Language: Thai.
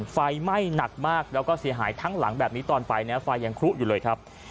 ไฟไหม้หนักมากแล้วก็เสียหายทั้งหลังแบบนี้ตอนไปนะไฟยังคลุอยู่เลยครับ